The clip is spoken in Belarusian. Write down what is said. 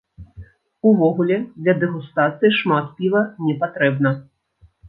Увогуле, для дэгустацыі шмат піва не патрэбна.